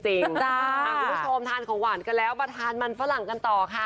คุณผู้ชมทานของหวานกันแล้วมาทานมันฝรั่งกันต่อค่ะ